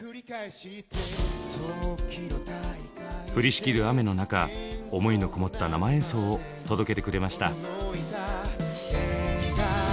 降りしきる雨の中思いのこもった生演奏を届けてくれました。